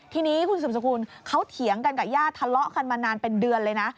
ทีนี้คุณสุมสกุลเขาเถียงกันกับญาติทะเลาะกันมานานเป็นเดือนเลยนะ